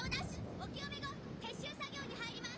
お清め後撤収作業に入ります。